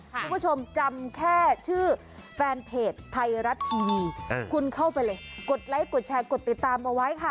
คุณผู้ชมจำแค่ชื่อแฟนเพจไทยรัฐทีวีคุณเข้าไปเลยกดไลค์กดแชร์กดติดตามเอาไว้ค่ะ